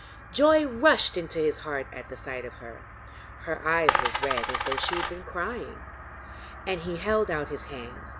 Joy rushed into his heart at the sight of her; her eyes were red as though she had been crying; and he held out his hands.